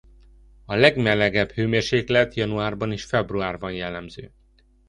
A legmelegebb hőmérséklet januárban és februárban jellemző.